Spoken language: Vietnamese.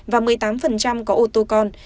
và một mươi tám có ô tô con